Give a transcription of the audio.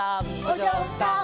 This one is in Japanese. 「おじょうさん」